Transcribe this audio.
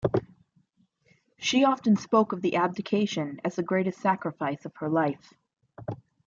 She often spoke of the abdication as the greatest sacrifice of her life.